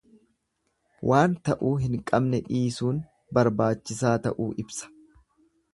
Waan ta'uu hin qabne dhiisuun barbaachisaa ta'uu ibsa.